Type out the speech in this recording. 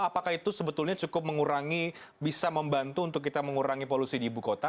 apakah itu sebetulnya cukup mengurangi bisa membantu untuk kita mengurangi polusi di ibu kota